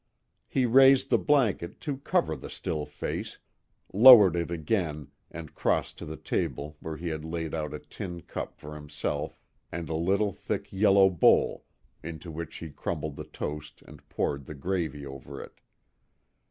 He raised the blanket to cover the still face, lowered it again and crossed to the table where he laid out a tincup for himself and a little thick yellow bowl into which he crumbled the toast and poured the gravy over it.